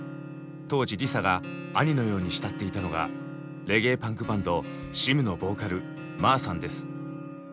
当時ＬｉＳＡが兄のように慕っていたのがレゲエパンクバンドＳｉＭのボーカルＭＡＨさんです。